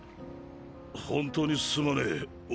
本当にすまねぇ折紙！